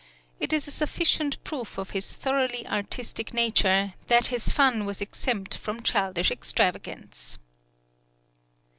It is a sufficient proof of his thoroughly artistic nature that his fun was exempt from childish extravagance.